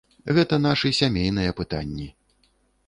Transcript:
Гэта нашы сямейныя пытанні.